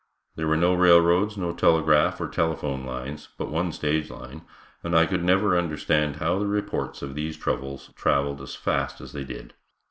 There were no railroads, no telegraph or telephone lines, but one stage line, and I could never understand how the reports of these troubles traveled as rapidly as they did.